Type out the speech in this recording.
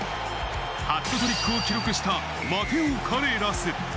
ハットトリックを記録したマテオ・カレーラス。